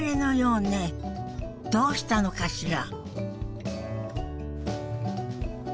どうしたのかしら？